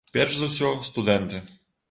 Перш за ўсё, студэнты.